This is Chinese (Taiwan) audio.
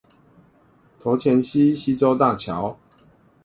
頭前溪溪州大橋